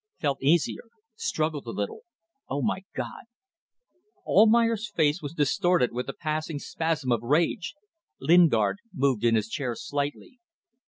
Felt easier. Struggled a little. ... Oh, my God!" Almayer's face was distorted with a passing spasm of rage. Lingard moved in his chair slightly.